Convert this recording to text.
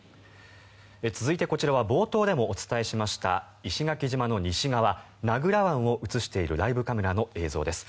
続いて、こちらは冒頭でもお伝えしました石垣島の西側名蔵湾を映しているライブカメラの映像です。